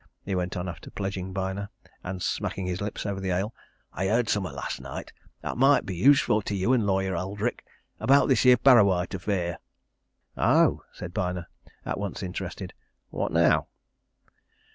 he went on, after pledging Byner and smacking his lips over the ale. "I heard summat last night 'at might be useful to you and Lawyer Eldrick about this here Parrawhite affair." "Oh!" said Byner, at once interested. "What now?"